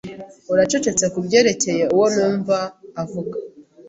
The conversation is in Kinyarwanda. Uracecetse kubyerekeye uwo numva avuga